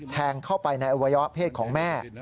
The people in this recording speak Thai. แทงเข้าไปในอวัยวะเพศของแม่